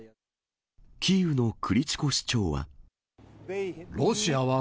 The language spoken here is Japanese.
キーウのクリチコ市長は。